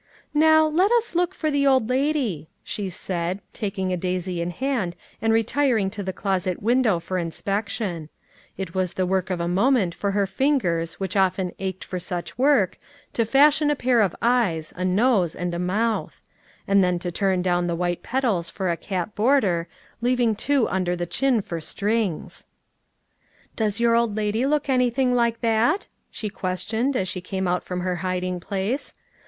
" Now, let us look for the old lady," she said, taking a daisy in hand and retiring to the closet window for inspection ; it was the work of a moment for her fingers which often ached for such work, to fashion a pair of eyes, a nose, and a mouth ; and then to turn down the white petals for a cap border, leaving two under the chin for strings !" Does your old lady look anything like that ?" she questioned, as she came out from her hiding place.